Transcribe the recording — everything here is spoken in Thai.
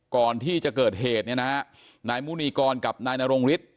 ก่อนที่จะเกิดเหตุเนี่ยนะฮะนายมุนีกรกับนายนรงฤทธิ